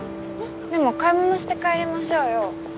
でも買い物して帰りましょうよ。